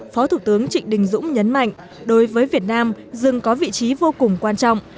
phó thủ tướng trịnh đình dũng nhấn mạnh đối với việt nam rừng có vị trí vô cùng quan trọng